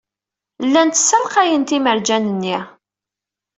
Llant ssalqayent imerjan-nni.